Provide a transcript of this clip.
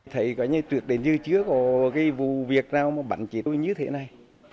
thấy có như trượt đến như trước có cái vụ việc nào mà bắn chiếc tôi như thế này